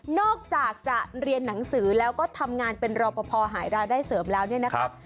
อกจากจะเรียนหนังสือแล้วก็ทำงานเป็นรอปภหารายได้เสริมแล้วเนี่ยนะครับ